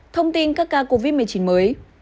thông tin các ca covid một mươi chín mới